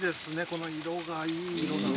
この色がいい色だな。